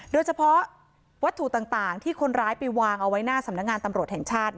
โดยเฉพาะวัตถุต่างที่คนร้ายไปวางเอาไว้หน้าสำนักงานตำรวจแห่งชาติ